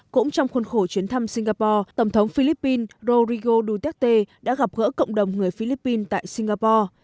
cũng trong khuôn khổ chuyến thăm singapore tổng thống philippines rodrigo duterte đã gặp gỡ cộng đồng người philippines tại singapore